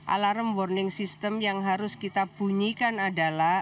alarm warning system yang harus kita bunyikan adalah